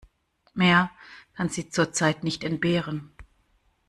Mehr kann sie zurzeit nicht entbehren.